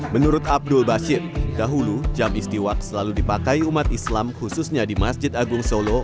menurut abdul bashir dahulu jam istiwa selalu dipakai umat islam khususnya di masjid agung solo